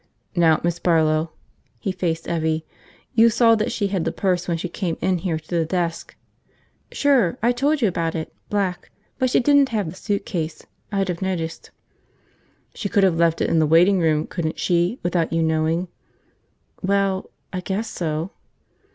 "Now Miss Barlow." He faced Evvie. "You saw that she had the purse when she came in here to the desk?" "Sure, I told you about it. Black. But she didn't have the suitcase. I'd of noticed." "She could have left it in the waiting room, couldn't she, without you knowing?" "Well – I guess so."